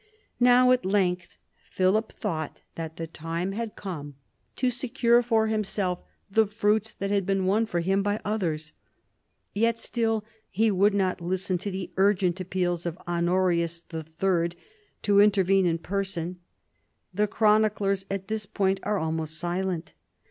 Now, at length, Philip thought that the time had come' to secure for himself the fruits that had been won for him by others. Yet still he would not listen to the urgent appeals of Honorius III. to inter vene in person. The chroniclers at this point are almost silent.